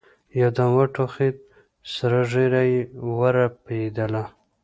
يودم وټوخېد سره ږيره يې ورپېدله.